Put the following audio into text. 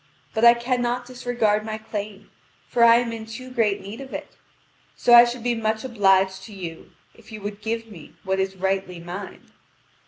But I cannot disregard my claim, for I am in too great need of it. So I should be much obliged to you if you would give me what is rightly mine."